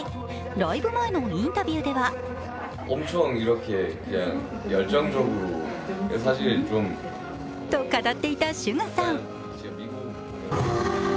ライブ前のインタビューではと語っていたＳＵＧＡさん。